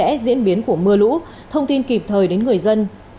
để giải quyết diễn biến của mưa lũ thông tin kịp thời đến người dân